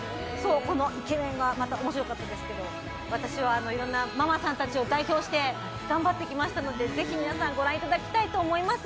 このイケメンがまた面白かったですけど私はママさんたちを代表して頑張ってきましたので、ぜひ皆さん御覧いただきたいと思います。